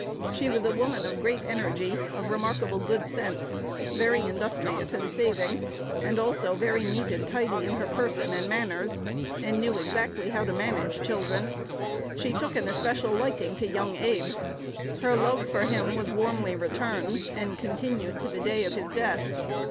She was a woman of great energy of remarkable good sense, very industrious and saving, and also very neat and tidy in her person and manners, and knew exactly how to manage children. She took an especial liking to young Abe. Her love for him was warmly returned, and continued to the day of his death.